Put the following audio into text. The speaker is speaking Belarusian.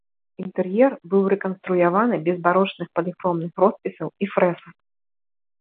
Інтэр'ер быў рэканструяваны без барочных паліхромных роспісаў і фрэсак.